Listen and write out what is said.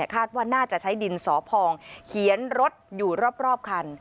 คาดว่าน่าจะใช้ดินสอพองเขียนรถอยู่รอบคัน